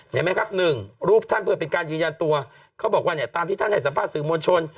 เห็นไหมครับ๑รูปท่านเป็นการยืนยันตัวเขาบอกว่าตามที่ท่านให้สัมภาษณ์สื่อมวลชน